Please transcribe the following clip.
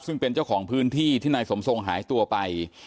ซึ่งเป็นเจ้าของพื้นที่ที่นายสมทรงหายตัวไป